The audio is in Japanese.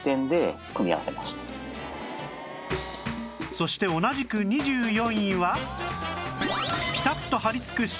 そして同じく２４位は